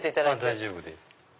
大丈夫です。